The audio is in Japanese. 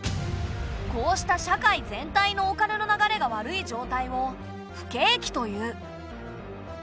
こうした社会全体のお金の流れが悪い状態を不景気という。